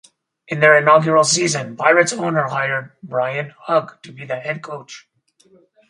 In their inaugural season, Pirates owner hired Brian Hug to be the head coach.